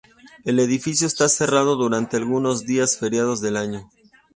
El edificio está cerrado durante algunos días feriados del año.